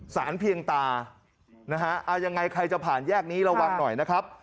สารเพียงตานะฮะเอายังไงใครจะผ่านแยกนี้ระวังหน่อยนะครับ